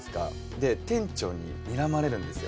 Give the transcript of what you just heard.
で店長ににらまれるんですよ。